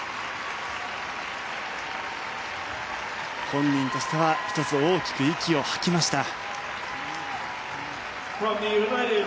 本人としては１つ大きく息を吐きました。